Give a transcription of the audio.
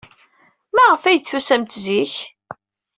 Maɣef ay d-tusamt zik?